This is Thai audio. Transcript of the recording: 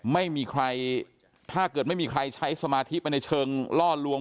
ไม่มีใครถ้าเกิดไม่มีใครใช้สมาธิไปในเชิงล่อลวง